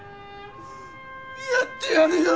やってやるよ！